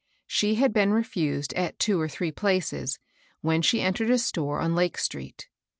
She had been refused at two or three places, when she entered a store on Lake street.